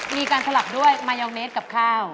มีการสลับด้วยมายองเนสกับข้าว